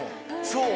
そう。